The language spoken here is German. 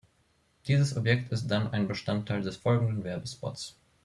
Dieses Objekt ist dann ein Bestandteil des folgenden Werbespots.